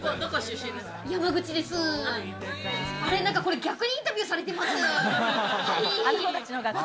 逆インタビューされてます？